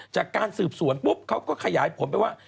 จากการสืบสวนปุ๊บเขาก็ขยายผลไปว่า